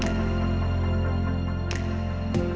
mengkrij ai vah